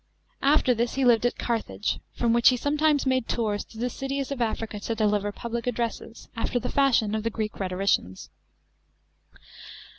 After this he lived at Carthage, from which he sometimes made tours through the cities of Africa to deliver public addresses, after the fashion of the Greek rhetoricians.